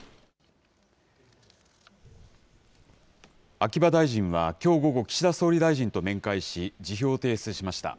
秋葉大臣はきょう午後、岸田総理大臣と面会し、辞表を提出しました。